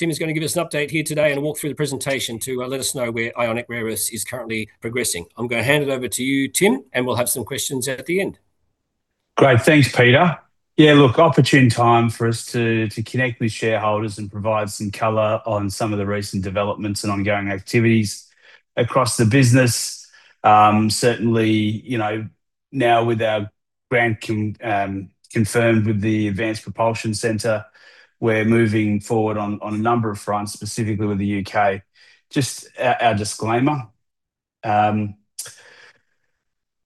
Tim is going to give us an update here today and walk through the presentation to let us know where Ionic Rare Earths is currently progressing. I'm gonna hand it over to you, Tim, and we'll have some questions at the end. Great. Thanks, Peter. Yeah, look, opportune time for us to connect with shareholders and provide some color on some of the recent developments and ongoing activities across the business. Certainly, you know, now with our grant confirmed with the Advanced Propulsion Centre, we're moving forward on a number of fronts, specifically with the U.K. Just our disclaimer.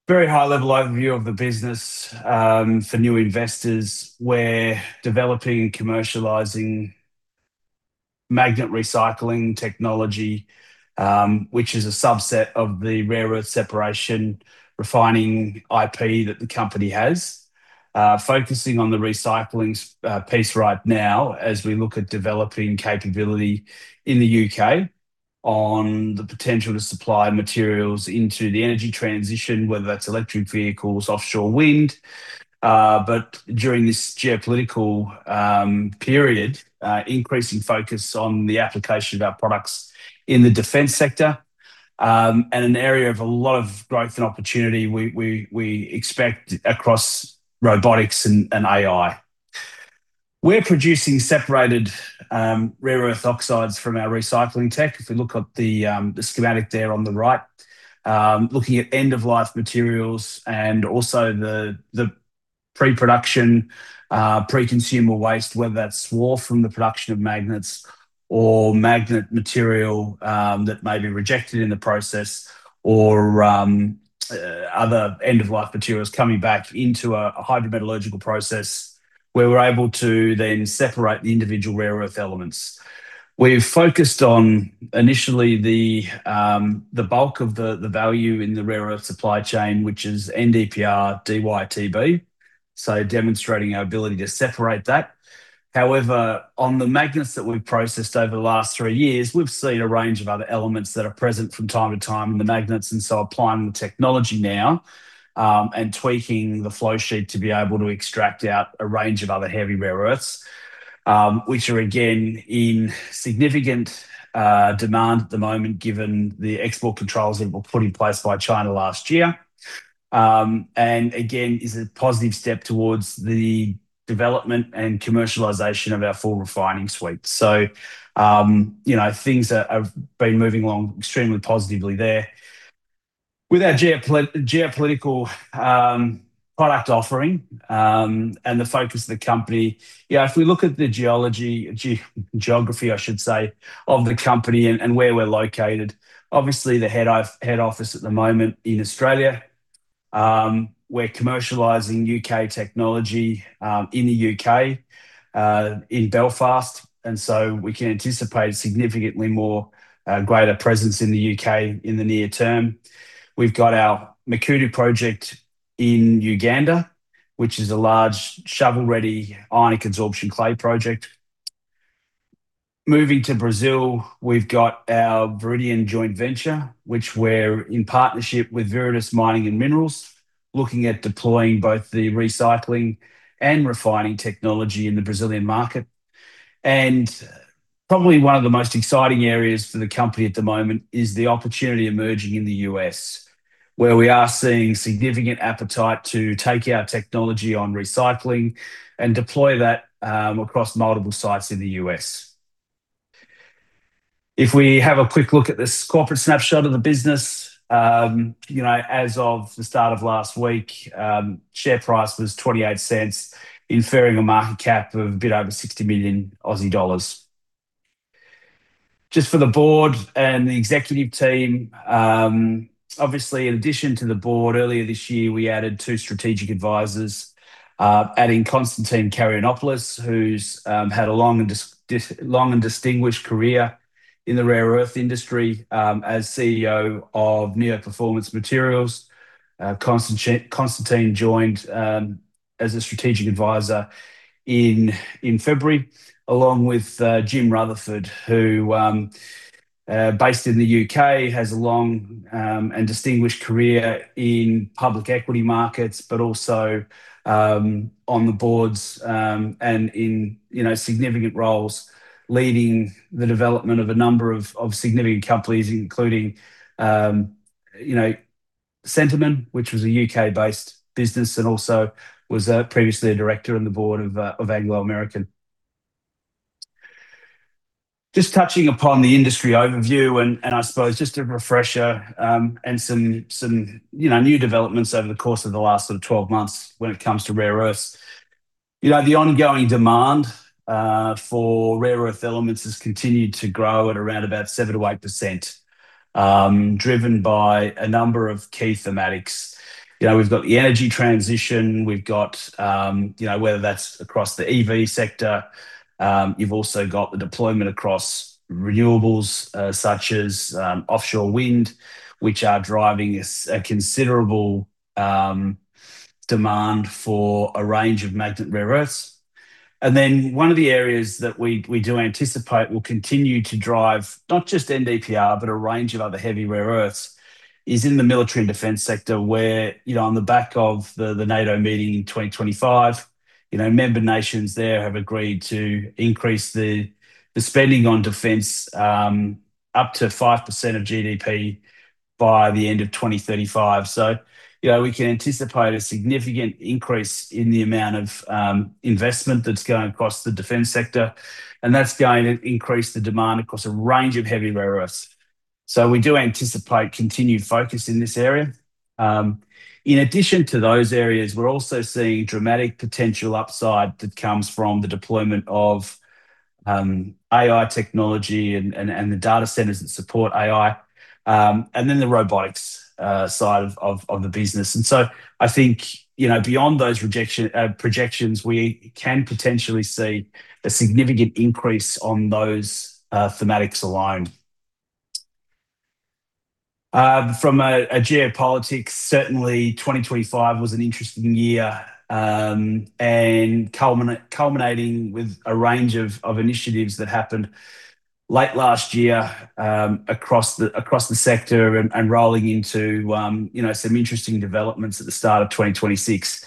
Very high-level overview of the business for new investors. We're developing and commercializing magnet recycling technology, which is a subset of the rare earth separation refining IP that the company has. Focusing on the recycling piece right now as we look at developing capability in the U.K. on the potential to supply materials into the energy transition, whether that's electric vehicles, offshore wind. During this geopolitical period, increasing focus on the application of our products in the defense sector, an area of a lot of growth and opportunity we expect across robotics and AI. We're producing separated Rare Earth Oxides from our recycling tech. If we look at the schematic there on the right. Looking at end-of-life materials and also the pre-production, pre-consumer waste, whether that's swarf from the production of magnets or magnet material that may be rejected in the process or other end-of-life materials coming back into a hydrometallurgical process where we're able to then separate the individual rare earth elements. We've focused on initially the bulk of the value in the rare earth supply chain, which is NdPrDyTb, demonstrating our ability to separate that. However, on the magnets that we've processed over the last three years, we've seen a range of other elements that are present from time to time in the magnets, and so applying the technology now, and tweaking the flow sheet to be able to extract out a range of other heavy rare earths, which are again in significant demand at the moment given the export controls that were put in place by China last year. Again, is a positive step towards the development and commercialization of our full refining suite. You know, things have been moving along extremely positively there with our geopolitical product offering and the focus of the company. Yeah, if we look at the geology, geography I should say, of the company and where we're located, obviously the head office at the moment in Australia. We're commercializing U.K. technology in the U.K. in Belfast, we can anticipate significantly more greater presence in the U.K. in the near term. We've got our Makuutu project in Uganda, which is a large shovel-ready ionic adsorption clay project. Moving to Brazil, we've got our Viridion joint venture, which we're in partnership with Viridis Mining and Minerals, looking at deploying both the recycling and refining technology in the Brazilian market. Probably one of the most exciting areas for the company at the moment is the opportunity emerging in the U.S., where we are seeing significant appetite to take our technology on recycling and deploy that across multiple sites in the U.S. If we have a quick look at the corporate snapshot of the business, you know, as of the start of last week, share price was 0.28, inferring a market cap of a bit over 60 million Aussie dollars. Just for the board and the executive team. Obviously in addition to the board, earlier this year, we added two strategic advisors, adding Constantine Karayannopoulos, who's had a long and distinguished career in the rare earth industry, as CEO of Neo Performance Materials. Constantine joined as a strategic advisor in February, along with James Rutherford, who, based in the U.K., has a long and distinguished career in public equity markets. Also, on the boards, and in, you know, significant roles leading the development of a number of significant companies, including, you know, Centamin, which was a U.K.-based business, and also was previously a director on the board of Anglo American. Just touching upon the industry overview and, I suppose just a refresher, and some, you know, new developments over the course of the last sort of 12 months when it comes to rare earths. You know, the ongoing demand for rare earth elements has continued to grow at around about 7%-8%, driven by a number of key thematics. You know, we've got the energy transition, we've got, you know, whether that's across the EV sector. You've also got the deployment across renewables, such as offshore wind, which are driving a considerable demand for a range of magnet rare earths. One of the areas that we do anticipate will continue to drive, not just NdPr, but a range of other heavy rare earths, is in the military and defense sector, where on the back of the NATO meeting in 2025, member nations there have agreed to increase the spending on defense up to 5% of GDP by the end of 2035. We can anticipate a significant increase in the amount of investment that's going across the defense sector, and that's going to increase the demand across a range of heavy rare earths. We do anticipate continued focus in this area. In addition to those areas, we're also seeing dramatic potential upside that comes from the deployment of AI technology and the data centers that support AI, and then the robotics side of the business. I think, you know, beyond those projections, we can potentially see a significant increase on those thematics alone. From a geopolitics, certainly 2025 was an interesting year. Culminating with a range of initiatives that happened late last year, across the sector and rolling into, you know, some interesting developments at the start of 2026.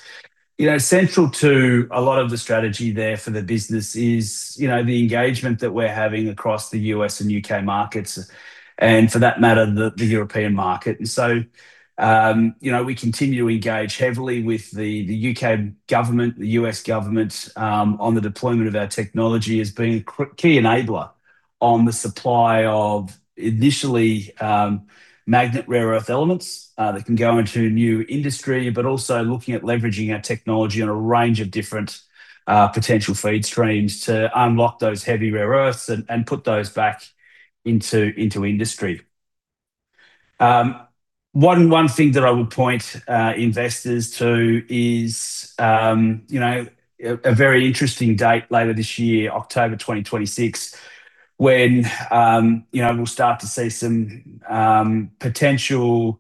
You know, central to a lot of the strategy there for the business is, you know, the engagement that we're having across the U.S. and U.K. markets and for that matter, the European market. You know, we continue to engage heavily with the U.K. government, the U.S. government, on the deployment of our technology as being a key enabler on the supply of initially, magnet rare earth elements, that can go into new industry. Also looking at leveraging our technology on a range of different potential feed streams to unlock those heavy rare earths and put those back into industry. One thing that I would point investors to is, you know, a very interesting date later this year, October 2026, when, you know, we'll start to see some potential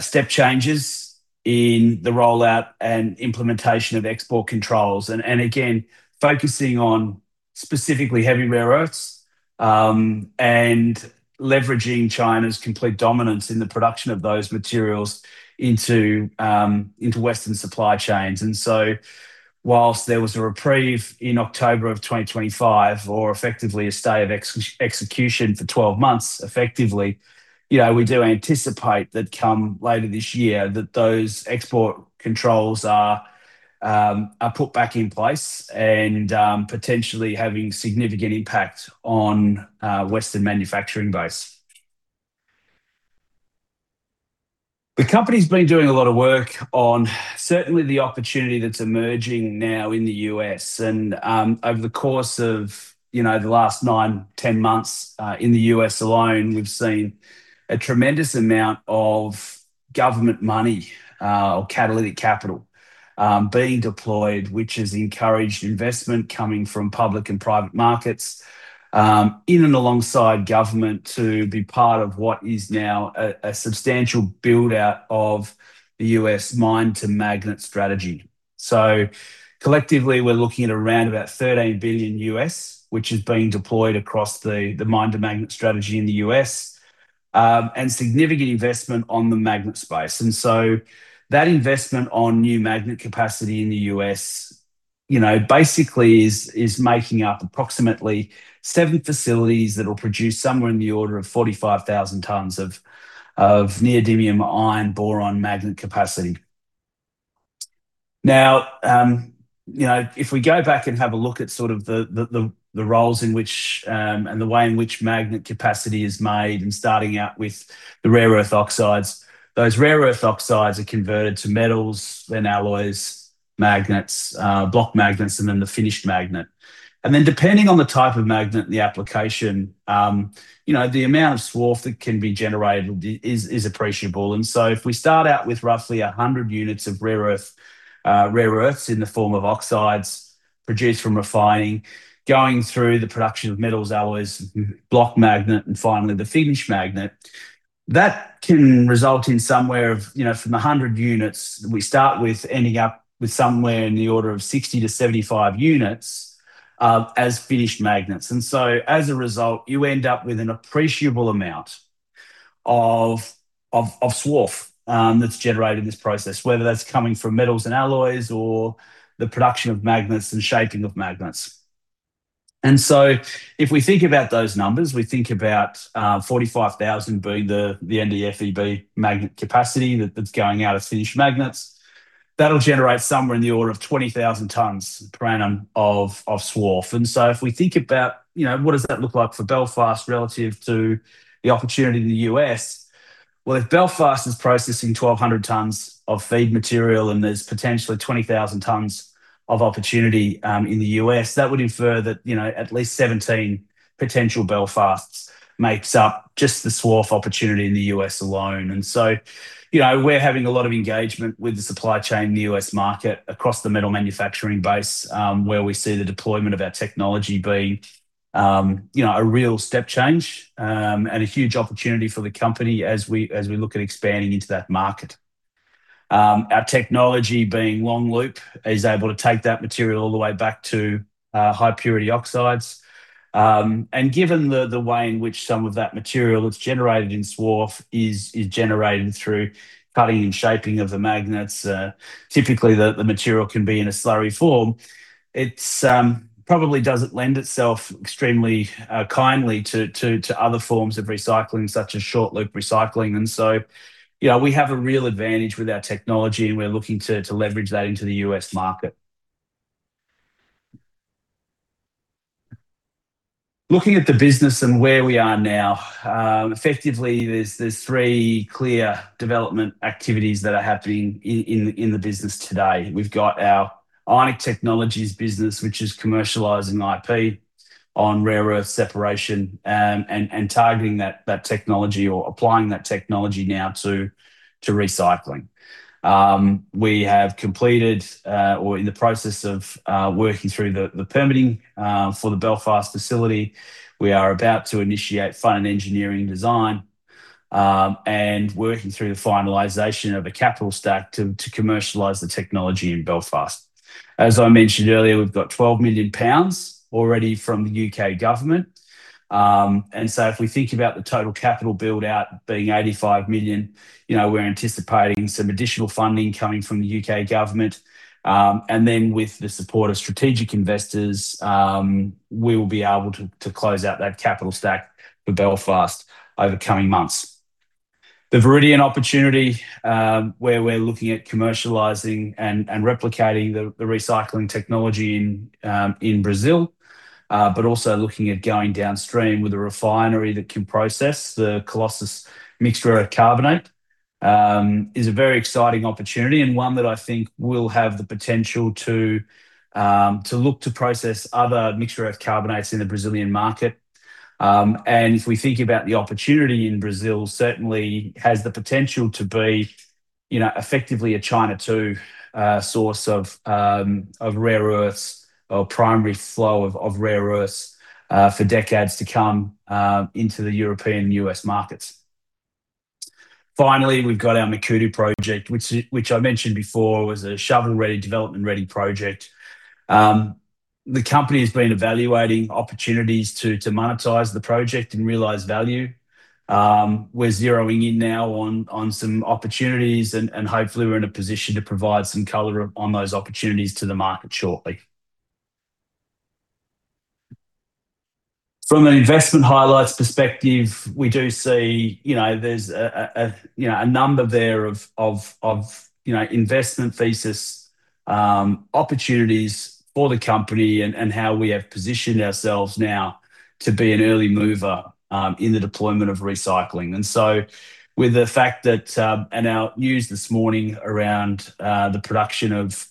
step changes in the rollout and implementation of export controls and again, focusing on specifically heavy rare earths, and leveraging China's complete dominance in the production of those materials into Western supply chains. Whilst there was a reprieve in October 2025, or effectively a stay of execution for 12 months, effectively, you know, we do anticipate that come later this year that those export controls are put back in place and potentially having significant impact on Western manufacturing base. The company's been doing a lot of work on certainly the opportunity that's emerging now in the U.S. and, over the course of, you know, the last nine, 10 months, in the U.S. alone, we've seen a tremendous amount of government money, or catalytic capital, being deployed, which has encouraged investment coming from public and private markets, in and alongside government to be part of what is now a substantial build-out of the U.S. Mine-to-Magnet strategy. Collectively, we're looking at around about $13 billion U.S., which is being deployed across the Mine-to-Magnet strategy in the U.S., and significant investment on the magnet space. That investment on new magnet capacity in the U.S., you know, basically is making up approximately seven facilities that will produce somewhere in the order of 45,000 tons of Neodymium-Iron-Boron magnet capacity. Now, you know, if we go back and have a look at sort of the roles in which and the way in which magnet capacity is made, starting out with the Rare Earth Oxides. Those Rare Earth Oxides are converted to metals, then alloys, magnets, block magnets, and then the finished magnet. Depending on the type of magnet and the application, you know, the amount of swarf that can be generated is appreciable. If we start out with roughly 100 units of rare earth, rare earths in the form of oxides produced from refining, going through the production of metals, alloys, block magnet, and finally the finished magnet, that can result in somewhere from 100 units we start with ending up with somewhere in the order of 60-75 units as finished magnets. As a result, you end up with an appreciable amount of swarf that's generated in this process, whether that's coming from metals and alloys or the production of magnets and shaping of magnets. If we think about those numbers, we think about 45,000 being the NdFeB magnet capacity that's going out as finished magnets. That'll generate somewhere in the order of 20,000 tons per annum of swarf. If we think about, you know, what does that look like for Belfast relative to the opportunity in the U.S.? Well, if Belfast is processing 1,200 tons of feed material, and there's potentially 20,000 tons of opportunity in the U.S., that would infer that, you know, at least 17 potential Belfasts makes up just the swarf opportunity in the U.S. alone. You know, we're having a lot of engagement with the supply chain in the U.S. market across the metal manufacturing base, where we see the deployment of our technology being, you know, a real step change and a huge opportunity for the company as we look at expanding into that market. Our technology being long-loop recycling is able to take that material all the way back to high purity oxides. Given the way in which some of that material that's generated in swarf is generated through cutting and shaping of the magnets, typically the material can be in a slurry form. It's probably doesn't lend itself extremely kindly to other forms of recycling, such as short loop recycling. You know, we have a real advantage with our technology, and we're looking to leverage that into the U.S. market. Looking at the business and where we are now, effectively there's three clear development activities that are happening in the business today. We've got our Ionic Technologies business which is commercializing IP on rare earth separation and targeting that technology or applying that technology now to recycling. We have completed, or in the process of, working through the permitting for the Belfast facility. We are about to initiate front-end engineering design and working through the finalization of a capital stack to commercialize the technology in Belfast. As I mentioned earlier, we've got 12 million pounds already from the U.K. government. If we think about the total capital build-out being 85 million, you know, we're anticipating some additional funding coming from the U.K. government. Then with the support of strategic investors, we will be able to close out that capital stack for Belfast over coming months. The Viridion opportunity, where we're looking at commercializing and replicating the recycling technology in Brazil, but also looking at going downstream with a refinery that can process the Colossus Mixed Rare Earth Carbonate, is a very exciting opportunity and one that I think will have the potential to look to process other Mixed Rare Earth Carbonates in the Brazilian market. If we think about the opportunity in Brazil certainly has the potential to be, you know, effectively a China two source of rare earths or primary flow of rare earths for decades to come into the European U.S. markets. Finally, we've got our Makuutu project, which I mentioned before was a shovel-ready, development-ready project. The company has been evaluating opportunities to monetize the project and realize value. We're zeroing in now on some opportunities and hopefully we're in a position to provide some color on those opportunities to the market shortly. From an investment highlights perspective, we do see, you know, there's a, you know, a number there of, you know, investment thesis, opportunities for the company and how we have positioned ourselves now to be an early mover in the deployment of recycling. With the fact that and our news this morning around the production of,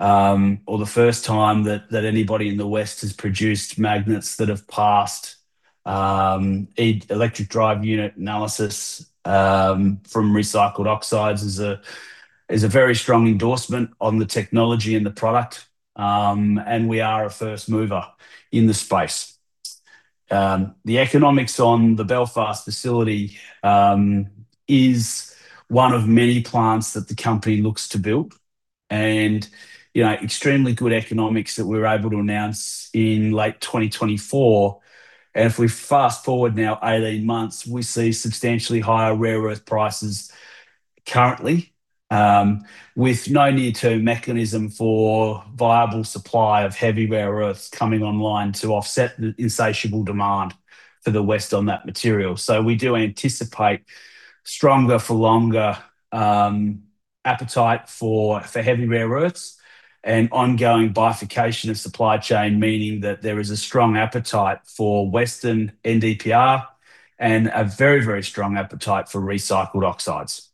or the first time that anybody in the West has produced magnets that have passed a electric drive unit analysis from recycled oxides is a very strong endorsement on the technology and the product. We are a first mover in the space. The economics on the Belfast facility is one of many plants that the company looks to build and, you know, extremely good economics that we were able to announce in late 2024. If we fast-forward now 18 months, we see substantially higher rare earth prices currently, with no near-term mechanism for viable supply of heavy rare earths coming online to offset the insatiable demand for the West on that material. We do anticipate stronger for longer appetite for heavy rare earths and ongoing bifurcation of supply chain. Meaning that there is a strong appetite for Western NdPr and a very strong appetite for recycled oxides.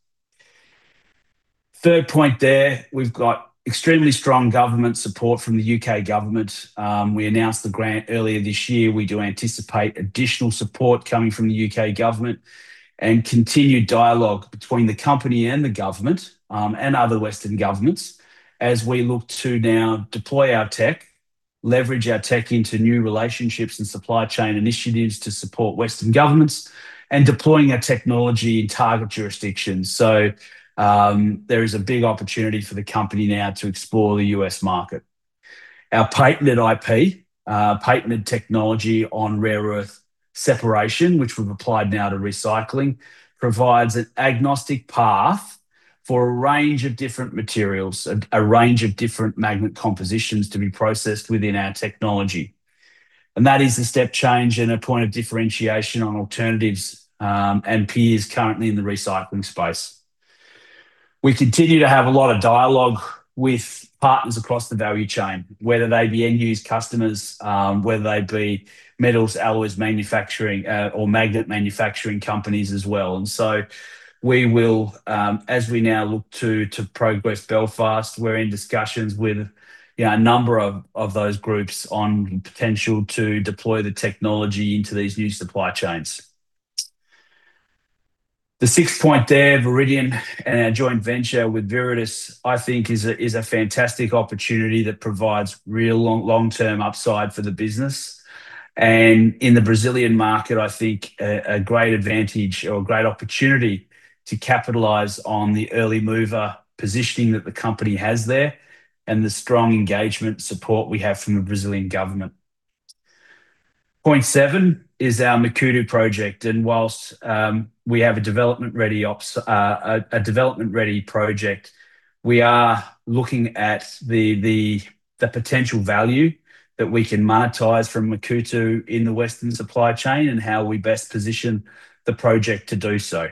Third point there, we've got extremely strong government support from the U.K. government. We announced the grant earlier this year. We do anticipate additional support coming from the U.K. government and continued dialogue between the company and the government, and other Western governments as we look to now deploy our tech, leverage our tech into new relationships and supply chain initiatives to support Western governments, and deploying our technology in target jurisdictions. There is a big opportunity for the company now to explore the U.S. market. Our patented IP, patented technology on rare earth separation, which we've applied now to recycling, provides an agnostic path for a range of different materials, a range of different magnet compositions to be processed within our technology. That is a step change and a point of differentiation on alternatives, and peers currently in the recycling space. We continue to have a lot of dialogue with partners across the value chain, whether they be end-use customers, whether they be metals, alloys manufacturing, or magnet manufacturing companies as well. So we will, as we now look to progress Belfast, we're in discussions with, you know, a number of those groups on potential to deploy the technology into these new supply chains. The sixth point there, Viridion and our joint venture with Viridis, I think is a fantastic opportunity that provides real long, long-term upside for the business. In the Brazilian market, I think a great advantage or a great opportunity to capitalize on the early mover positioning that the company has there, and the strong engagement support we have from the Brazilian government. Point seven is our Makuutu project, and whilst we have a development-ready project, we are looking at the potential value that we can monetize from Makuutu in the western supply chain and how we best position the project to do so.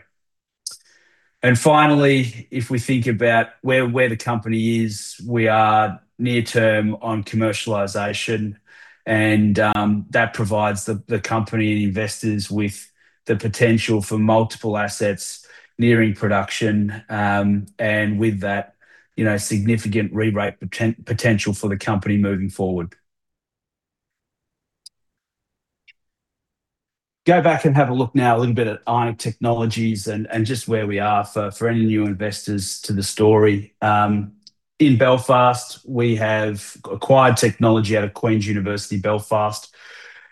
Finally, if we think about where the company is, we are near term on commercialization, and that provides the company and investors with the potential for multiple assets nearing production. With that, you know, significant reroute potential for the company moving forward. Go back and have a look now a little bit at Ionic Technologies and just where we are for any new investors to the story. In Belfast, we have acquired technology out of Queen's University Belfast,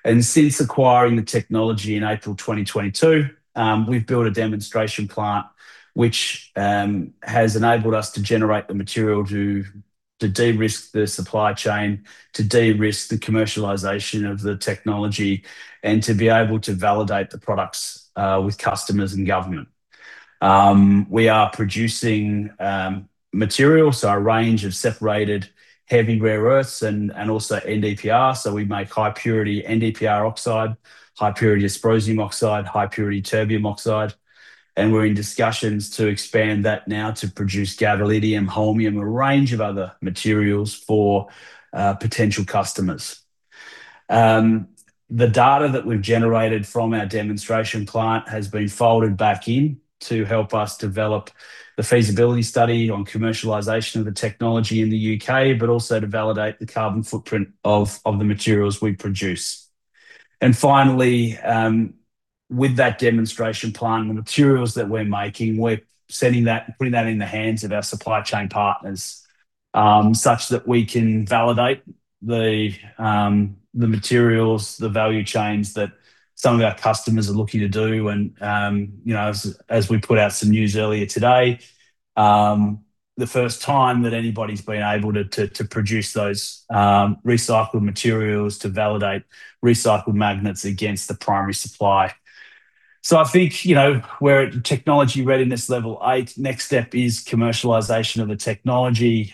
and since acquiring the technology in April 2022, we've built a demonstration plant which has enabled us to generate the material to de-risk the supply chain, to de-risk the commercialization of the technology, and to be able to validate the products with customers and government. We are producing material, so a range of separated heavy rare earths and also NdPr. We make high purity NdPr oxide, high purity dysprosium oxide, high purity terbium oxide, and we're in discussions to expand that now to produce gadolinium, holmium, a range of other materials for potential customers. The data that we've generated from our demonstration plant has been folded back in to help us develop the feasibility study on commercialization of the technology in the U.K., but also to validate the carbon footprint of the materials we produce. Finally, with that demonstration plant and the materials that we're making, we're sending that and putting that in the hands of our supply chain partners, such that we can validate the materials, the value chains that some of our customers are looking to do. You know, as we put out some news earlier today, the first time that anybody's been able to produce those recycled materials to validate recycled magnets against the primary supply. You know, we're at Technology Readiness Level 8, next step is commercialization of the technology.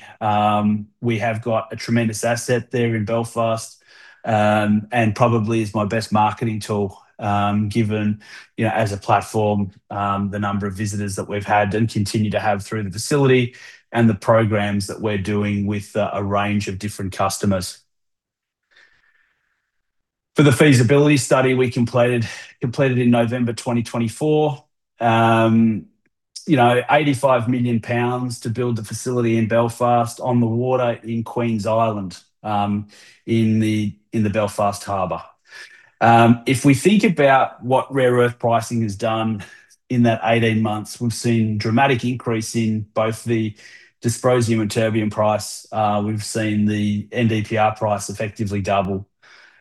We have got a tremendous asset there in Belfast, and probably is my best marketing tool, given, you know, as a platform, the number of visitors that we've had and continue to have through the facility and the programs that we're doing with a range of different customers. For the feasibility study we completed in November 2024, you know, 85 million pounds to build the facility in Belfast on the water in Queen's Island, in the Belfast Harbour. If we think about what rare earth pricing has done in that 18 months, we've seen dramatic increase in both the dysprosium and terbium price. We've seen the NdPr price effectively double.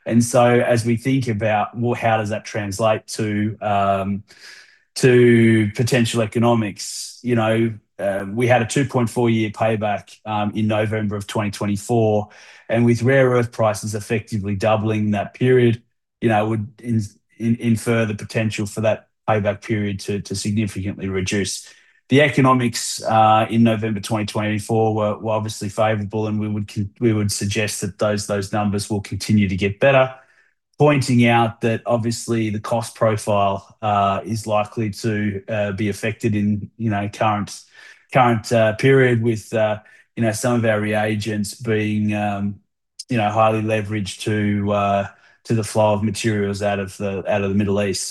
As we think about, well, how does that translate to potential economics, you know, we had a 2.4-year payback in November 2024. With rare earth prices effectively doubling that period, you know, would in further potential for that payback period to significantly reduce. The economics in November 2024 were obviously favorable, and we would suggest that those numbers will continue to get better, pointing out that obviously the cost profile is likely to be affected in, you know, current period with, you know, some of our reagents being, you know, highly leveraged to the flow of materials out of the Middle East.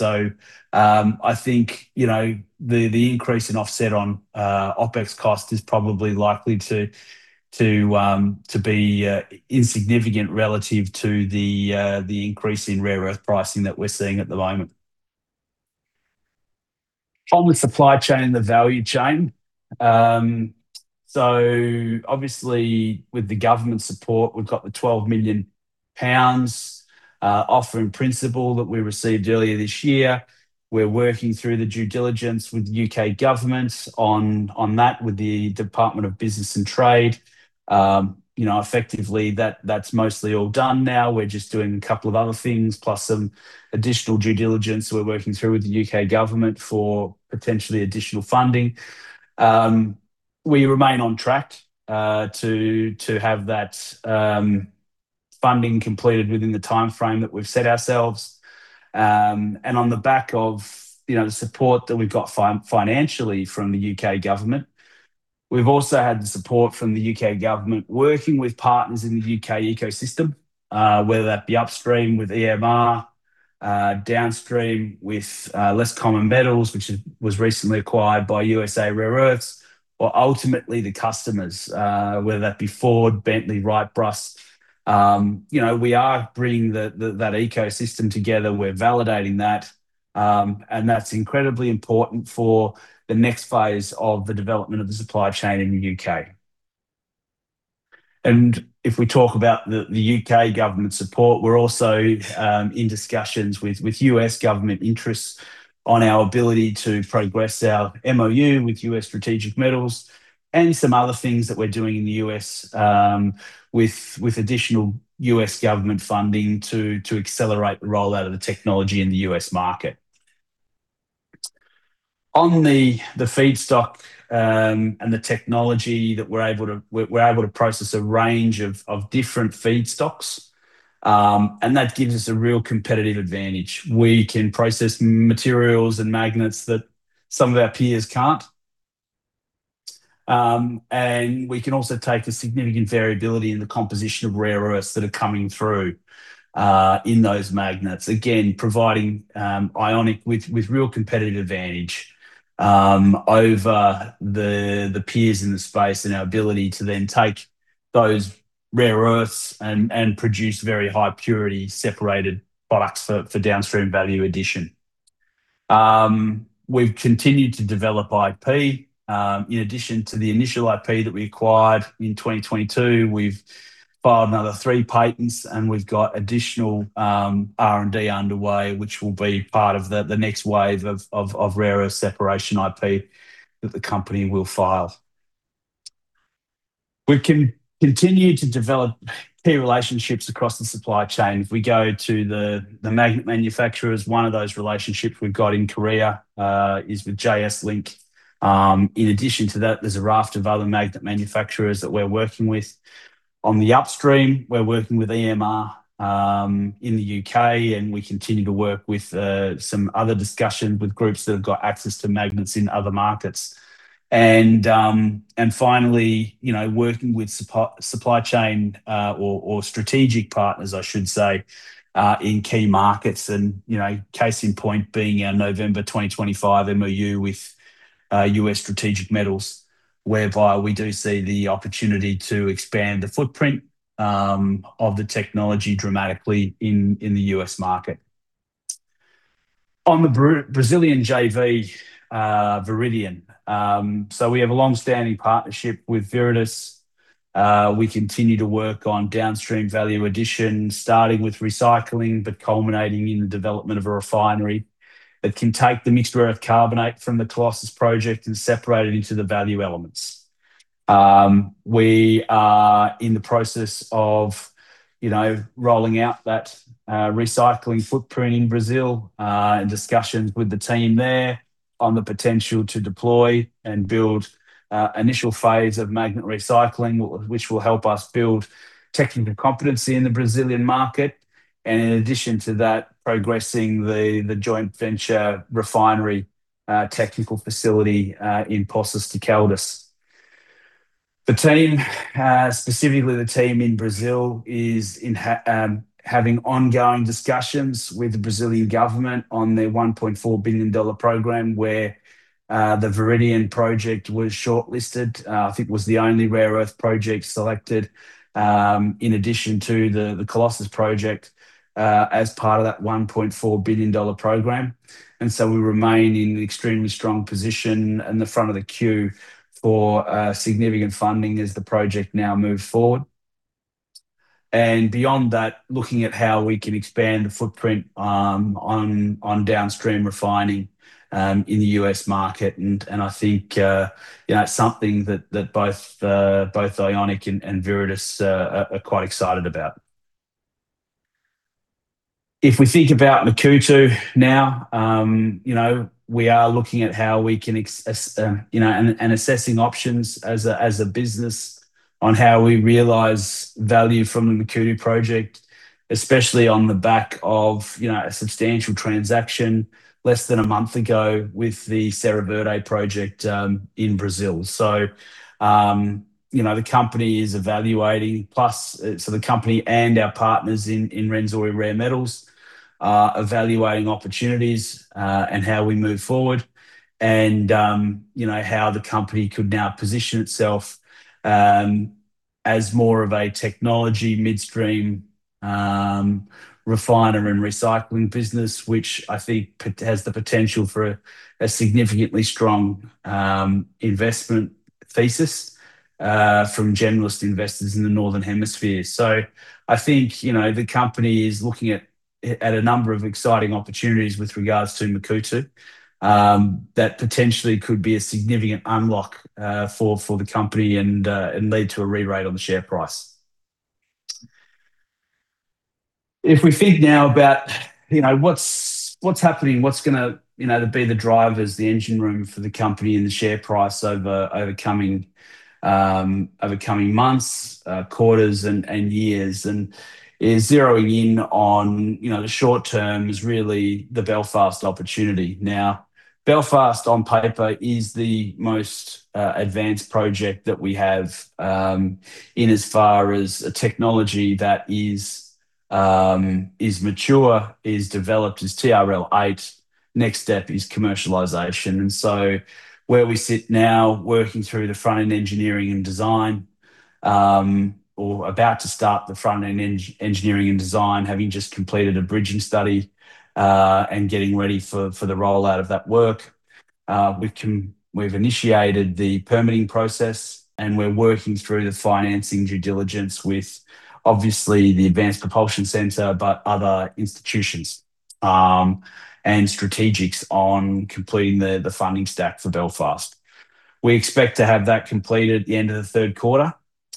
I think, you know, the increase in offset on OPEX cost is probably likely to be insignificant relative to the increase in rare earth pricing that we're seeing at the moment. On the supply chain and the value chain, obviously with the government support, we've got the 12 million pounds offer in principle that we received earlier this year. We're working through the due diligence with U.K. government on that with the Department for Business and Trade. You know, effectively that's mostly all done now. We're just doing a couple of other things plus some additional due diligence we're working through with the U.K. government for potentially additional funding. We remain on track to have that funding completed within the timeframe that we've set ourselves. On the back of, you know, the support that we've got financially from the U.K. government, we've also had the support from the U.K. government working with partners in the U.K. ecosystem, whether that be upstream with EMR, downstream with Less Common Metals, which was recently acquired by USA Rare Earth, or ultimately the customers, whether that be Ford, Bentley, Wrightbus. You know, we are bringing that ecosystem together. We're validating that, and that's incredibly important for the next phase of the development of the supply chain in the U.K. If we talk about the U.K. government support, we're also in discussions with U.S. government interests on our ability to progress our MOU with U.S. Strategic Metals and some other things that we're doing in the U.S. with additional U.S. government funding to accelerate the rollout of the technology in the U.S. market. On the feedstock and the technology, we're able to process a range of different feedstocks, and that gives us a real competitive advantage. We can process materials and magnets that some of our peers can't. We can also take the significant variability in the composition of rare earths that are coming through in those magnets. Again, providing Ionic with real competitive advantage over the peers in the space and our ability to then take those rare earths and produce very high purity separated products for downstream value addition. We've continued to develop IP. In addition to the initial IP that we acquired in 2022, we've filed another three patents and we've got additional R&D underway, which will be part of the next wave of rare earth separation IP that the company will file. We continue to develop key relationships across the supply chain. If we go to the magnet manufacturers, one of those relationships we've got in Korea is with JS Link. In addition to that, there's a raft of other magnet manufacturers that we're working with. On the upstream, we're working with EMR in the U.K., and we continue to work with some other discussions with groups that have got access to magnets in other markets. Finally, you know, working with supply chain or strategic partners, I should say, in key markets. You know, case in point being our November 2025 MoU with U.S. Strategic Metals, whereby we do see the opportunity to expand the footprint of the technology dramatically in the U.S. market. On the Brazilian JV, Viridion. We have a long-standing partnership with Viridis. We continue to work on downstream value addition, starting with recycling, but culminating in the development of a refinery that can take the mixed rare earth carbonate from the Colossus project and separate it into the value elements. We are in the process of, you know, rolling out that recycling footprint in Brazil, and discussions with the team there on the potential to deploy and build initial phase of magnet recycling, which will help us build technical competency in the Brazilian market. In addition to that, progressing the joint venture refinery technical facility in Poços de Caldas. The team, specifically the team in Brazil, is having ongoing discussions with the Brazilian government on their $1.4 billion program where the Viridion project was shortlisted. I think it was the only rare earth project selected in addition to the Colossus project as part of that $1.4 billion program. We remain in extremely strong position in the front of the queue for significant funding as the project now move forward. Beyond that, looking at how we can expand the footprint on downstream refining in the U.S. market. I think, you know, it's something that both Ionic and Viridis are quite excited about. If we think about Makuutu now, you know, we are looking at how we can as, you know, and assessing options as a business on how we realize value from the Makuutu project, especially on the back of, you know, a substantial transaction less than a month ago with the Serra Verde project in Brazil. You know, the company and our partners in Rwenzori Rare Metals are evaluating opportunities and how we move forward and, you know, how the company could now position itself as more of a technology midstream refiner and recycling business, which I think has the potential for a significantly strong investment thesis from generalist investors in the northern hemisphere. I think, you know, the company is looking at a number of exciting opportunities with regards to Makuutu that potentially could be a significant unlock for the company and lead to a re-rate on the share price. If we think now about, you know, what's happening, what's gonna, you know, be the drivers, the engine room for the company and the share price over coming months, quarters and years is zeroing in on, you know, the short term is really the Belfast opportunity. Belfast on paper is the most advanced project that we have in as far as a technology that is mature, is developed, is TRL 8. Next step is commercialization. Where we sit now working through the front-end engineering design, or about to start the front-end engineering design, having just completed a bridging study, getting ready for the rollout of that work. We've initiated the permitting process. We're working through the financing due diligence with obviously the Advanced Propulsion Centre, but other institutions and strategics on completing the funding stack for Belfast. We expect to have that completed at the end of the third quarter.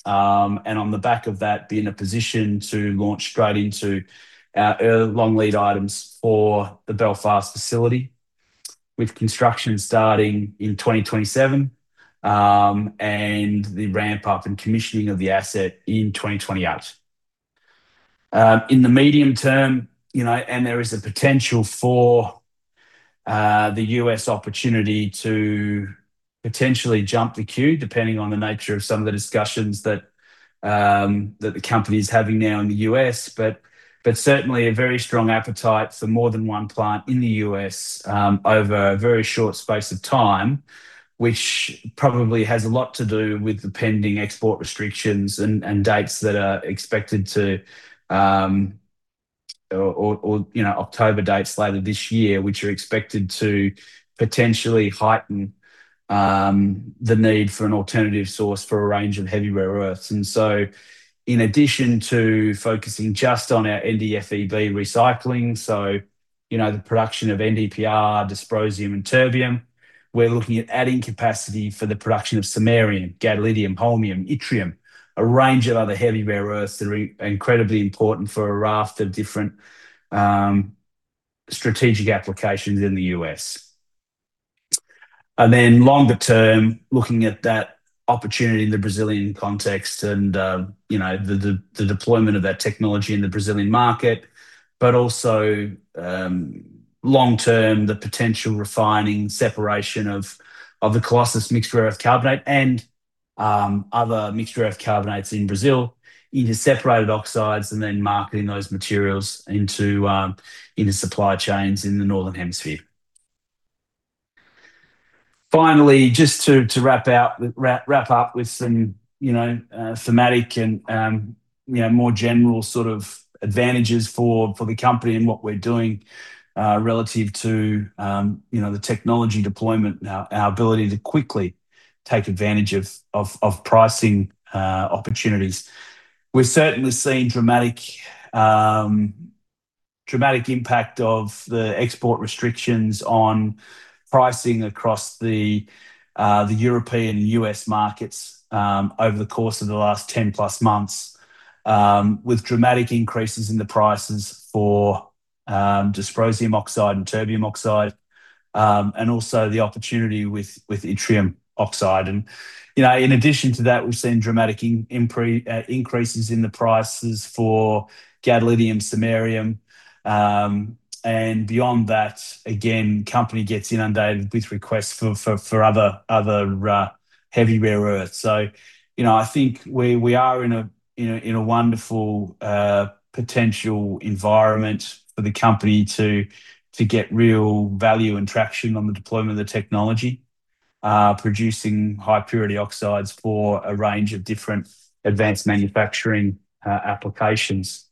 On the back of that, be in a position to launch straight into our long lead items for the Belfast facility with construction starting in 2027, and the ramp up and commissioning of the asset in 2028. In the medium term, you know, there is a potential for the U.S. opportunity to potentially jump the queue depending on the nature of some of the discussions that the company is having now in the U.S. Certainly a very strong appetite for more than one plant in the U.S. over a very short space of time, which probably has a lot to do with the pending export restrictions and dates that are expected to, or, you know, October dates later this year, which are expected to potentially heighten the need for an alternative source for a range of heavy rare earths. In addition to focusing just on our NdFeB recycling, so, you know, the production of NdPr, dysprosium, and terbium, we're looking at adding capacity for the production of samarium, gadolinium, holmium, yttrium, a range of other heavy rare earths that are incredibly important for a raft of different strategic applications in the U.S. Then longer term, looking at that opportunity in the Brazilian context, you know, the deployment of that technology in the Brazilian market. Also, long term, the potential refining separation of the Colossus Mixed Rare Earth Carbonate and other Mixed Rare Earth Carbonates in Brazil into separated oxides and then marketing those materials into supply chains in the northern hemisphere. Finally, just to wrap up with some, you know, thematic and, you know, more general sort of advantages for the company and what we're doing relative to, you know, the technology deployment and our ability to quickly take advantage of pricing opportunities. We've certainly seen dramatic impact of the export restrictions on pricing across the European and U.S. markets over the course of the last 10 plus months, with dramatic increases in the prices for dysprosium oxide and terbium oxide, and also the opportunity with yttrium oxide. You know, in addition to that, we've seen dramatic increases in the prices for gadolinium, samarium. Beyond that, again, company gets inundated with requests for other heavy rare earths. You know, I think we are in a wonderful potential environment for the company to get real value and traction on the deployment of the technology, producing high purity oxides for a range of different advanced manufacturing applications.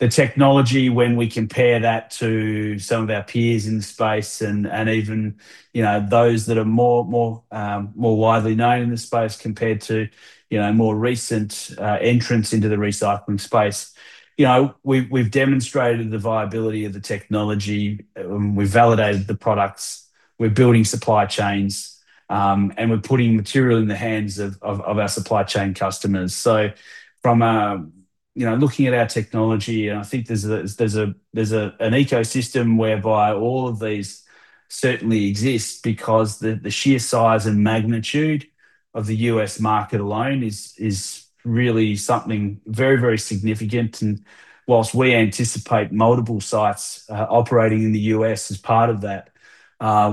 The technology, when we compare that to some of our peers in the space and even, you know, those that are more widely known in the space compared to, you know, more recent entrants into the recycling space. You know, we've demonstrated the viability of the technology, we've validated the products, we're building supply chains, and we're putting material in the hands of our supply chain customers. From a, you know, looking at our technology, and I think there's an ecosystem whereby all of these certainly exist because the sheer size and magnitude of the U.S. market alone is really very significant. Whilst we anticipate multiple sites operating in the U.S. as part of that,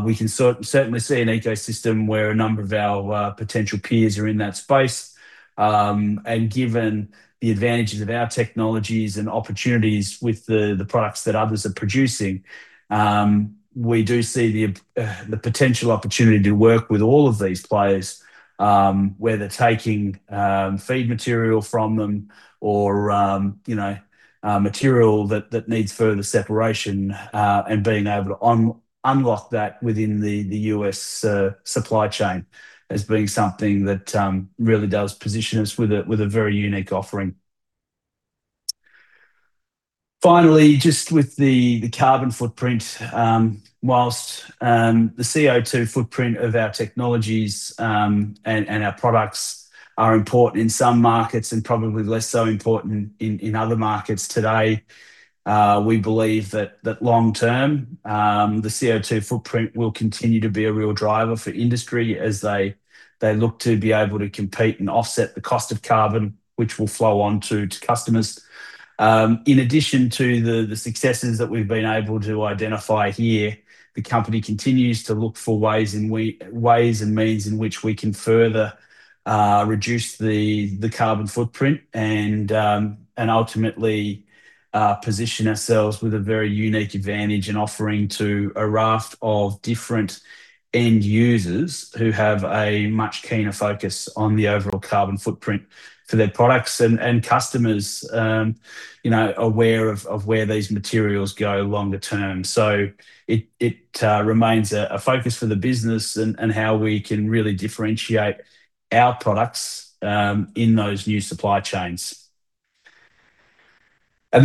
we can certainly see an ecosystem where a number of our potential peers are in that space. Given the advantages of our technologies and opportunities with the products that others are producing, we do see the potential opportunity to work with all of these players, whether taking feed material from them or, you know, material that needs further separation, and being able to unlock that within the U.S. supply chain as being something that really does position us with a very unique offering. Finally, just with the carbon footprint, while the CO2 footprint of our technologies, and our products are important in some markets and probably less so important in other markets today, we believe that long term, the CO2 footprint will continue to be a real driver for industry as they look to be able to compete and offset the cost of carbon, which will flow on to customers. In addition to the successes that we've been able to identify here, the company continues to look for ways and means in which we can further reduce the carbon footprint and ultimately position ourselves with a very unique advantage and offering to a raft of different end users who have a much keener focus on the overall carbon footprint for their products and customers, you know, aware of where these materials go longer term. It remains a focus for the business and how we can really differentiate our products in those new supply chains.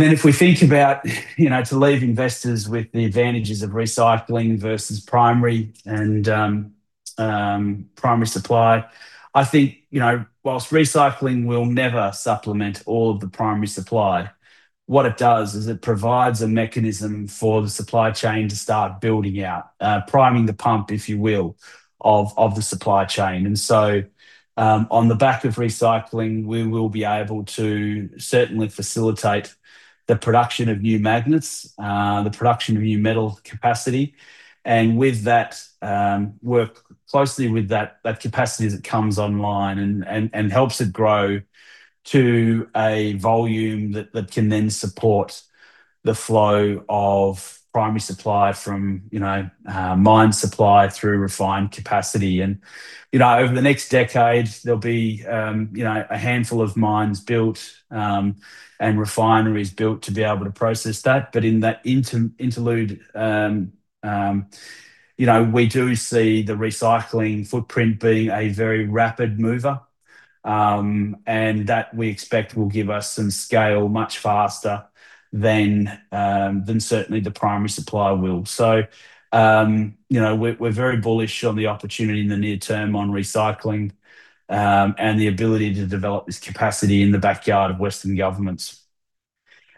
If we think about, you know, to leave investors with the advantages of recycling versus primary and primary supply. I think, you know, while recycling will never supplement all of the primary supply, what it does is it provides a mechanism for the supply chain to start building out. Priming the pump, if you will, of the supply chain. On the back of recycling, we will be able to certainly facilitate the production of new magnets, the production of new metal capacity, and with that, work closely with that capacity as it comes online and helps it grow to a volume that can then support the flow of primary supply from, you know, mine supply through refined capacity. Over the next decade, there'll be, you know, a handful of mines built and refineries built to be able to process that. In that interlude, you know, we do see the recycling footprint being a very rapid mover. That we expect will give us some scale much faster than certainly the primary supply will. You know, we're very bullish on the opportunity in the near term on recycling and the ability to develop this capacity in the backyard of Western governments.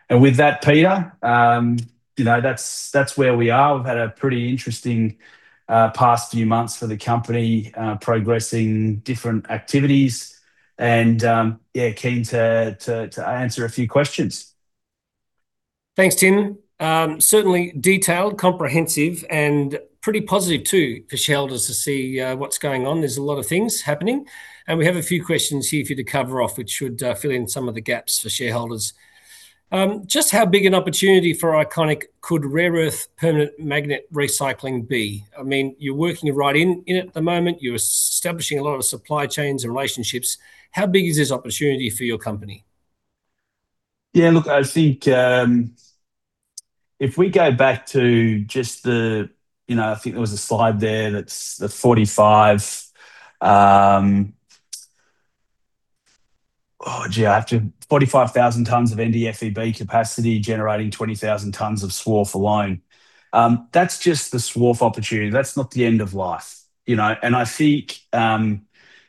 With that, Peter, you know, that's where we are. We've had a pretty interesting past few months for the company, progressing different activities and, yeah, keen to answer a few questions. Thanks, Tim. Certainly detailed, comprehensive, and pretty positive too for shareholders to see what's going on. There's a lot of things happening. We have a few questions here for you to cover off, which should fill in some of the gaps for shareholders. Just how big an opportunity for Ionic Rare Earths could rare earth permanent magnet recycling be? I mean, you're working right in it at the moment. You're establishing a lot of supply chains and relationships. How big is this opportunity for your company? I think, if we go back to just the, you know, 45,000 tons of NdFeB capacity generating 20,000 tons of swarf alone. That's just the swarf opportunity. That's not the end of life, you know? I think,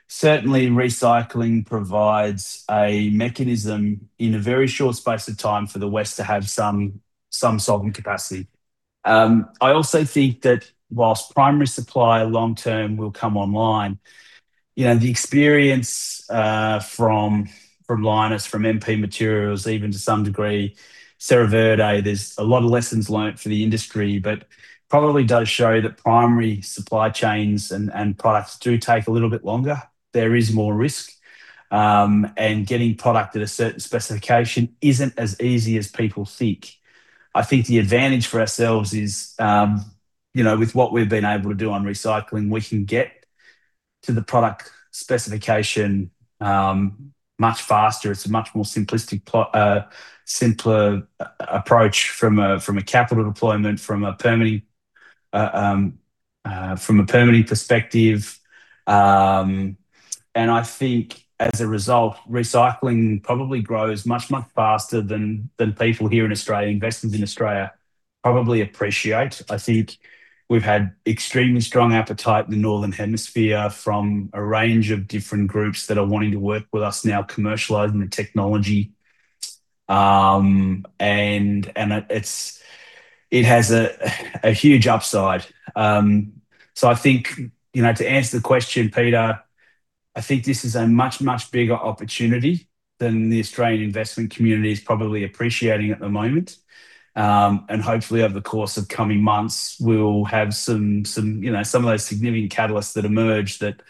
certainly recycling provides a mechanism in a very short space of time for the West to have some sovereign capacity. I also think that whilst primary supply long-term will come online, you know, the experience from Lynas, from MP Materials, even to some degree Serra Verde, there's a lot of lessons learned for the industry. Probably does show that primary supply chains and products do take a little bit longer. There is more risk. Getting product at a certain specification isn't as easy as people think. I think the advantage for ourselves is, you know, with what we've been able to do on recycling, we can get to the product specification much faster. It's a much simpler approach from a capital deployment, from a permitting perspective. I think as a result, recycling probably grows much faster than people here in Australia, investors in Australia probably appreciate. I think we've had extremely strong appetite in the Northern Hemisphere from a range of different groups that are wanting to work with us now commercializing the technology. It has a huge upside. I think, you know, to answer the question, Peter, I think this is a much, much bigger opportunity than the Australian investment community is probably appreciating at the moment. Hopefully over the course of coming months, we'll have some, you know, some of those significant catalysts that emerge that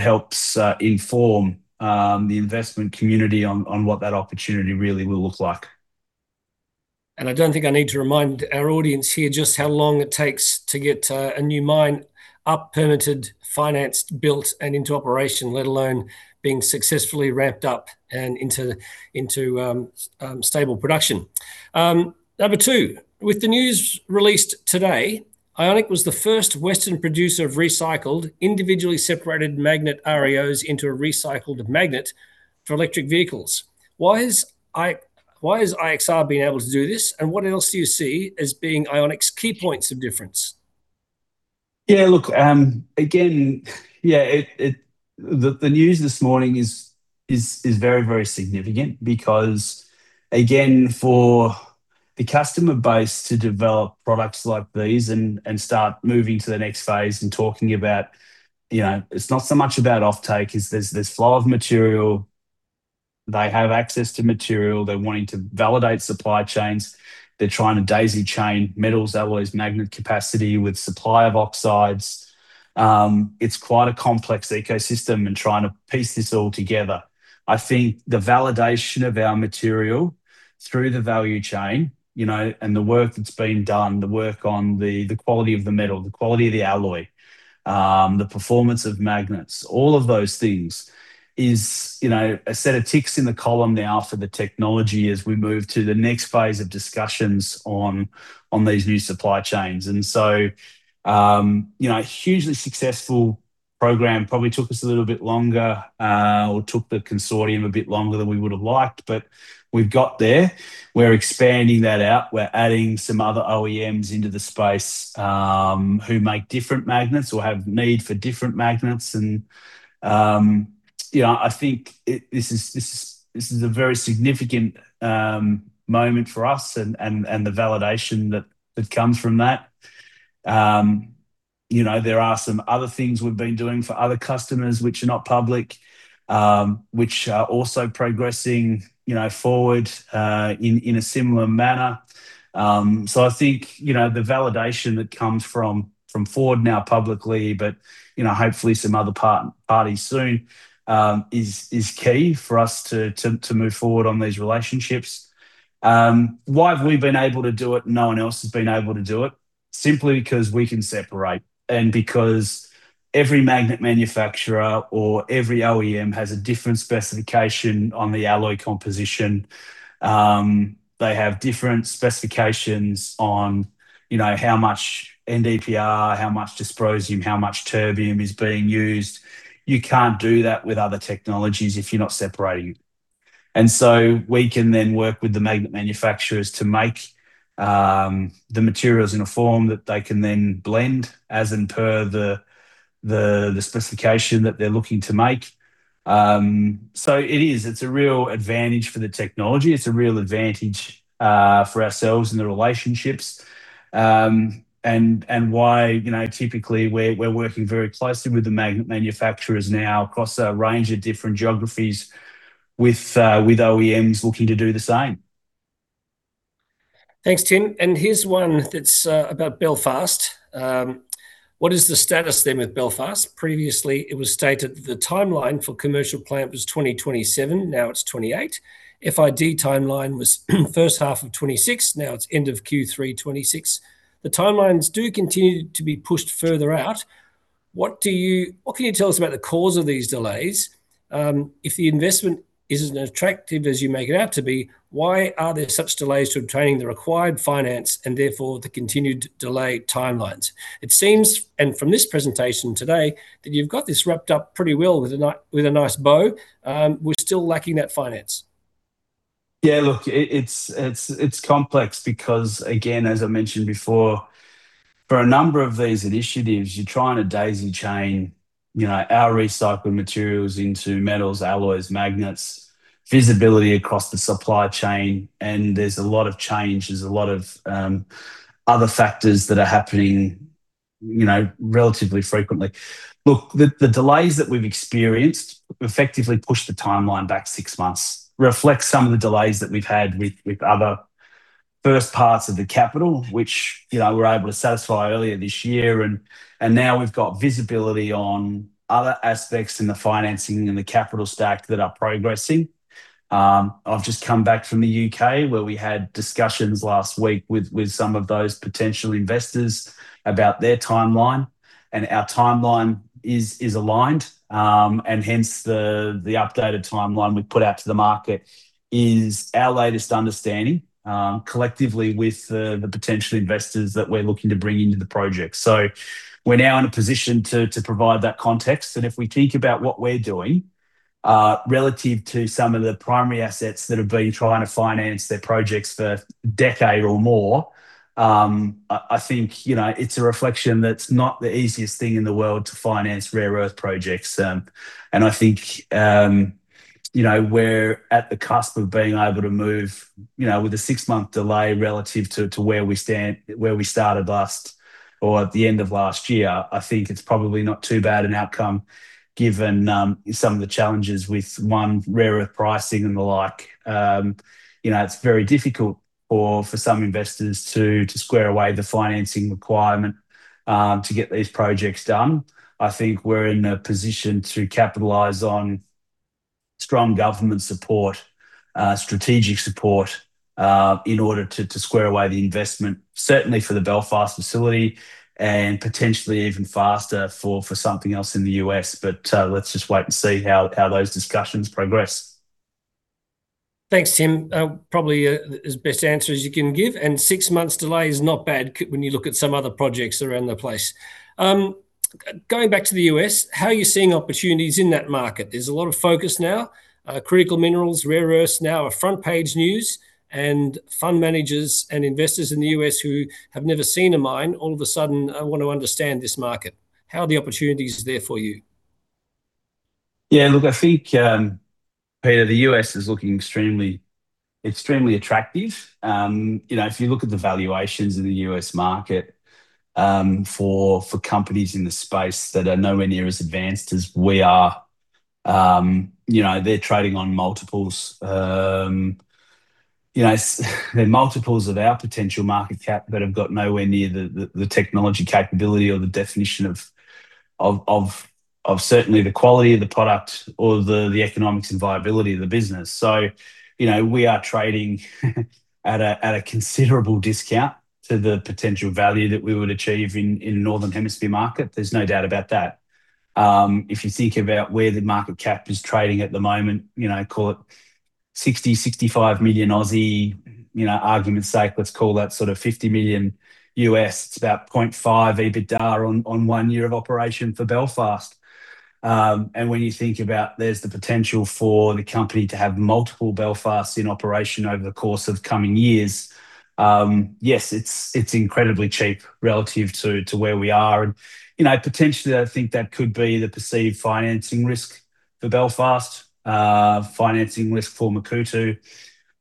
helps inform the investment community on what that opportunity really will look like. I don't think I need to remind our audience here just how long it takes to get a new mine up, permitted, financed, built, and into operation, let alone being successfully ramped up and into stable production. Number two, with the news released today, Ionic was the first Western producer of recycled individually separated magnet REOs into a recycled magnet for electric vehicles. Why has IXR been able to do this, and what else do you see as being Ionic's key points of difference? Yeah, look, again, the news this morning is very, very significant because, again, for the customer base to develop products like these and start moving to the next phase and talking about, you know, it's not so much about offtake. It's this flow of material. They have access to material. They're wanting to validate supply chains. They're trying to daisy chain metals alloys magnet capacity with supply of oxides. It's quite a complex ecosystem and trying to piece this all together. I think the validation of our material through the value chain, you know, and the work that's been done, the work on the quality of the metal, the quality of the alloy, the performance of magnets, all of those things is, you know, a set of ticks in the column now for the technology as we move to the next phase of discussions on these new supply chains. You know, hugely successful program. Probably took us a little bit longer, or took the consortium a bit longer than we would have liked, but we've got there. We're expanding that out. We're adding some other OEMs into the space, who make different magnets or have need for different magnets. You know, this is a very significant moment for us and the validation that comes from that. You know, there are some other things we've been doing for other customers which are not public, which are also progressing, you know, forward in a similar manner. I think, you know, the validation that comes from Ford now publicly, but hopefully some other parties soon, is key for us to move forward on these relationships. Why have we been able to do it and no one else has been able to do it? Simply because we can separate, because every magnet manufacturer or every OEM has a different specification on the alloy composition. They have different specifications on, you know, how much NdPr, how much dysprosium, how much terbium is being used. You can't do that with other technologies if you're not separating it. We can then work with the magnet manufacturers to make the materials in a form that they can then blend as in per the specification that they're looking to make. It is, it's a real advantage for the technology. It's a real advantage for ourselves and the relationships. And why, you know, typically we're working very closely with the magnet manufacturers now across a range of different geographies with OEMs looking to do the same. Thanks, Tim. Here's one that's about Belfast. What is the status then with Belfast? Previously it was stated that the timeline for commercial plant was 2027, now it's 2028. FID timeline was first half of 2026, now it's end of Q3 2026. The timelines do continue to be pushed further out. What can you tell us about the cause of these delays? If the investment isn't as attractive as you make it out to be, why are there such delays to obtaining the required finance and therefore the continued delayed timelines? It seems, and from this presentation today, that you've got this wrapped up pretty well with a nice bow. We're still lacking that finance. Yeah, look, it's complex because, again, as I mentioned before, for a number of these initiatives, you're trying to daisy chain, you know, our recycled materials into metals, alloys, magnets, visibility across the supply chain, and there's a lot of change. There's a lot of other factors that are happening, you know, relatively frequently. Look, the delays that we've experienced effectively pushed the timeline back six months, reflects some of the delays that we've had with other first parts of the capital, which, you know, we're able to satisfy earlier this year. Now we've got visibility on other aspects in the financing and the capital stack that are progressing. I've just come back from the U.K., where we had discussions last week with some of those potential investors about their timeline, and our timeline is aligned. Hence the updated timeline we've put out to the market is our latest understanding, collectively with the potential investors that we're looking to bring into the project. We're now in a position to provide that context. If we think about what we're doing relative to some of the primary assets that have been trying to finance their projects for a decade or more, I think, you know, it's a reflection that's not the easiest thing in the world to finance rare earth projects. I think, you know, we're at the cusp of being able to move, you know, with a six month delay relative to where we started last or at the end of last year. I think it's probably not too bad an outcome given some of the challenges with, one, rare earth pricing and the like. You know, it's very difficult for some investors to square away the financing requirement to get these projects done. I think we're in a position to capitalize on strong government support, strategic support in order to square away the investment, certainly for the Belfast facility and potentially even faster for something else in the U.S. Let's just wait and see how those discussions progress. Thanks, Tim. Probably as best answer as you can give. Six months delay is not bad when you look at some other projects around the place. Going back to the U.S., how are you seeing opportunities in that market? There's a lot of focus now. Critical minerals, rare earths now are front page news. Fund managers and investors in the U.S. who have never seen a mine all of a sudden want to understand this market. How are the opportunities there for you? Yeah, look, I think, Peter, the U.S. is looking extremely attractive. You know, if you look at the valuations in the U.S. market, for companies in the space that are nowhere near as advanced as we are, you know, they're trading on multiples. You know, they're multiples of our potential market cap, but have got nowhere near the technology capability or the definition of certainly the quality of the product or the economics and viability of the business. You know, we are trading at a considerable discount to the potential value that we would achieve in a Northern Hemisphere market. There's no doubt about that. If you think about where the market cap is trading at the moment, you know, call it 60 million-65 million. You know, argument's sake, let's call that sort of $50 million. It's about 0.5 EBITDA on one year of operation for Belfast. When you think about there's the potential for the company to have multiple Belfasts in operation over the course of the coming years, yes, it's incredibly cheap relative to where we are. You know, potentially I think that could be the perceived financing risk. For Belfast, financing risk for Makuutu.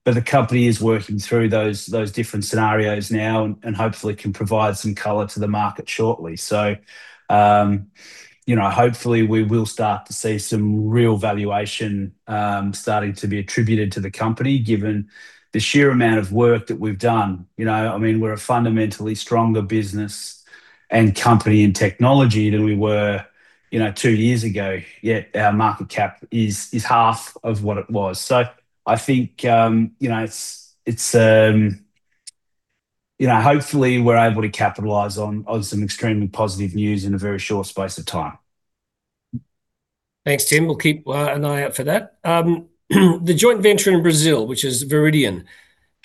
The company is working through those different scenarios now and hopefully can provide some color to the market shortly. You know, hopefully we will start to see some real valuation starting to be attributed to the company given the sheer amount of work that we've done. You know, I mean, we're a fundamentally stronger business and company and technology than we were, you know, two years ago, yet our market cap is half of what it was. I think, you know, it's, you know, hopefully we're able to capitalize on some extremely positive news in a very short space of time. Thanks, Tim. We'll keep an eye out for that. The joint venture in Brazil, which is Viridion,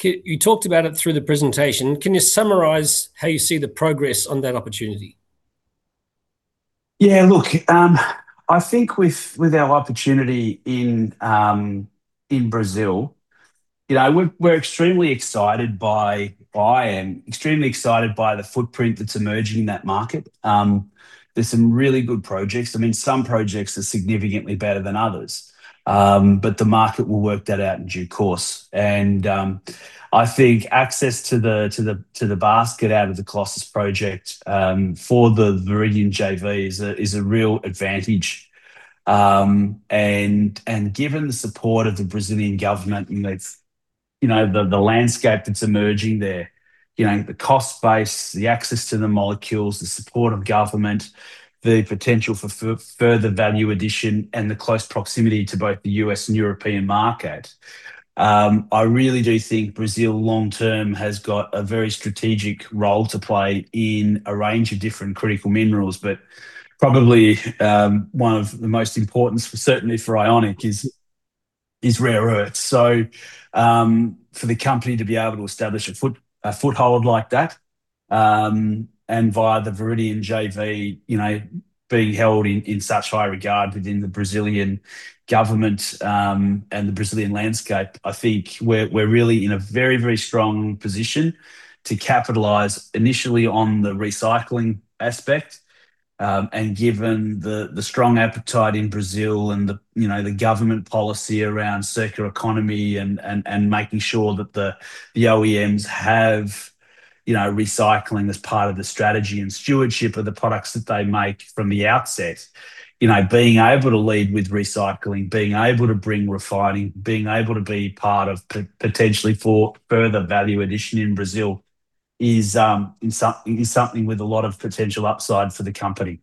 you talked about it through the presentation. Can you summarize how you see the progress on that opportunity? Yeah. Look, I think with our opportunity in Brazil, you know, we're extremely excited by and extremely excited by the footprint that's emerging in that market. There's some really good projects. I mean, some projects are significantly better than others. The market will work that out in due course. I think access to the basket out of the Colossus Project for the Viridion JV is a real advantage. Given the support of the Brazilian government, you know, it's the landscape that's emerging there, you know, the cost base, the access to the molecules, the support of government, the potential for further value addition and the close proximity to both the U.S. and European market, I really do think Brazil long term has got a very strategic role to play in a range of different critical minerals. Probably one of the most important for certainly for Ionic is rare earths. For the company to be able to establish a foothold like that, and via the Viridion JV, you know, being held in such high regard within the Brazilian government, and the Brazilian landscape, I think we're really in a very, very strong position to capitalize initially on the recycling aspect. Given the strong appetite in Brazil and the government policy around circular economy and making sure that the OEMs have recycling as part of the strategy and stewardship of the products that they make from the outset. Being able to lead with recycling, being able to bring refining, being able to be part of potentially for further value addition in Brazil is something with a lot of potential upside for the company.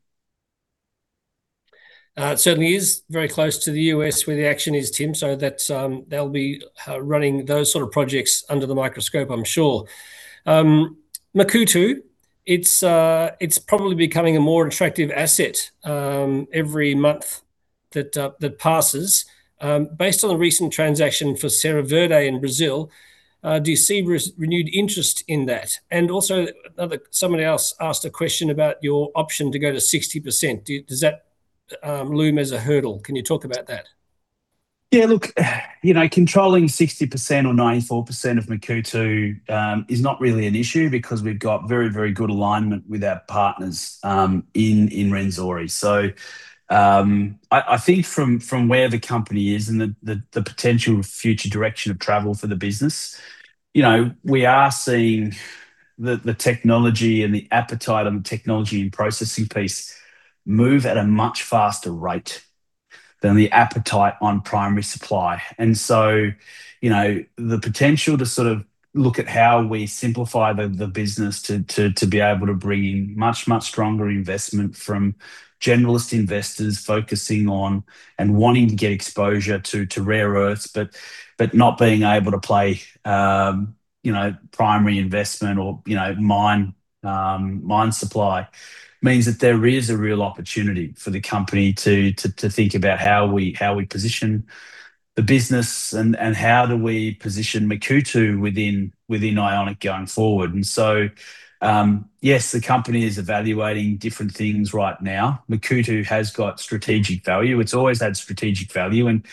It certainly is very close to the U.S. where the action is, Tim, that they'll be running those sort of projects under the microscope I'm sure. Makuutu, it's probably becoming a more attractive asset every month that passes. Based on the recent transaction for Serra Verde in Brazil, do you see renewed interest in that? Also somebody else asked a question about your option to go to 60%. Does that loom as a hurdle? Can you talk about that? Yeah. Look, you know, controlling 60% or 94% of Makuutu is not really an issue because we've got very, very good alignment with our partners in Rwenzori. I think from where the company is and the potential future direction of travel for the business, you know, we are seeing the technology and the appetite on the technology and processing piece move at a much faster rate than the appetite on primary supply. You know, the potential to sort of look at how we simplify the business to be able to bring in much stronger investment from generalist investors focusing on and wanting to get exposure to rare earths, but not being able to play, you know, primary investment or, you know, mine supply, means that there is a real opportunity for the company to think about how we position the business and how do we position Makuutu within Ionic going forward. Yes, the company is evaluating different things right now. Makuutu has got strategic value. It's always had strategic value, and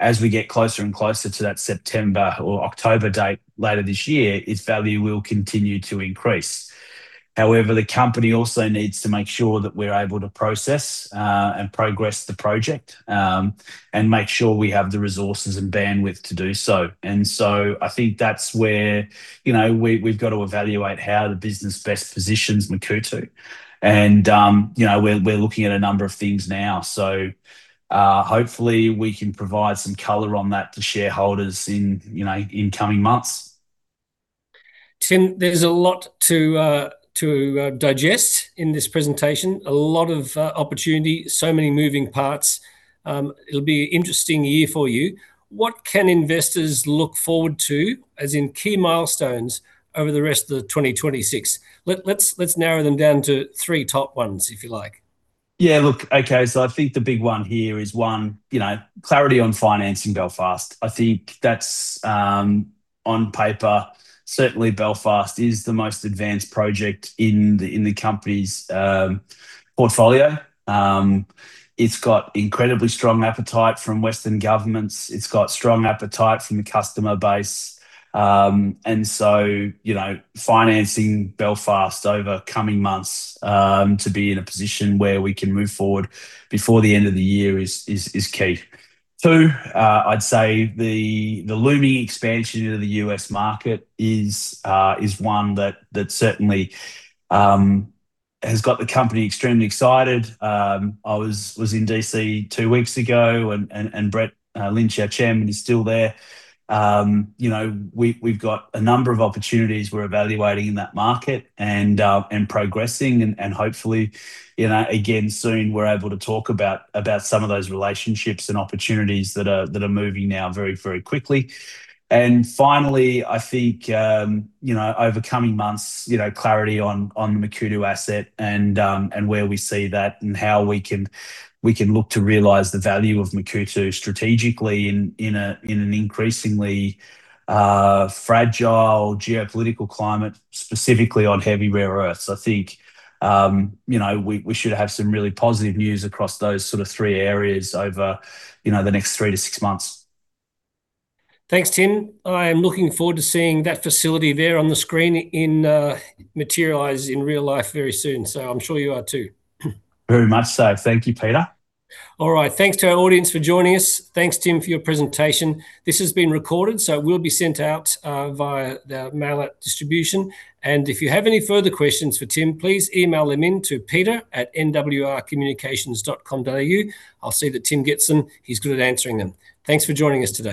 as we get closer and closer to that September or October date later this year, its value will continue to increase. However, the company also needs to make sure that we're able to process and progress the project and make sure we have the resources and bandwidth to do so. I think that's where, you know, we've got to evaluate how the business best positions Makuutu. You know, we're looking at a number of things now. Hopefully we can provide some color on that to shareholders in, you know, in coming months. Tim, there's a lot to digest in this presentation. A lot of opportunity, so many moving parts. It'll be an interesting year for you. What can investors look forward to as in key milestones over the rest of 2026? Let's narrow them down to three top ones if you like. Look, okay, I think the big one here is, one, clarity on financing Belfast. I think that's on paper, certainly Belfast is the most advanced project in the company's portfolio. It's got incredibly strong appetite from Western governments. It's got strong appetite from the customer base. Financing Belfast over coming months to be in a position where we can move forward before the end of the year is key. Two, I'd say the looming expansion into the U.S. market is one that certainly has got the company extremely excited. I was in D.C. two weeks ago and Brett Lynch, our chairman, is still there. You know, we've got a number of opportunities we're evaluating in that market and progressing and hopefully, you know, again, soon we're able to talk about some of those relationships and opportunities that are moving now very, very quickly. Finally, I think, you know, over coming months, you know, clarity on the Makuutu asset and where we see that and how we can look to realize the value of Makuutu strategically in an increasingly fragile geopolitical climate, specifically on heavy rare earths. I think, you know, we should have some really positive news across those sort of three areas over, you know, the next three to six months. Thanks, Tim. I am looking forward to seeing that facility there on the screen in materialized in real life very soon. I'm sure you are too. Very much so. Thank you, Peter. All right. Thanks to our audience for joining us. Thanks, Tim, for your presentation. This has been recorded, so it will be sent out via the mailout distribution. If you have any further questions for Tim, please email them in to peter@nwrcommunications.com.au. I'll see that Tim gets them. He's good at answering them. Thanks for joining us today.